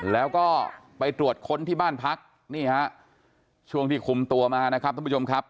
แล้วก็ไปตรวจค้นที่บ้านพักนี่ฮะช่วงที่คุมตัวมานะครับท่านผู้ชมครับ